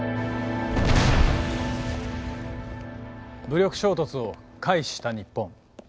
武力衝突を回避した日本。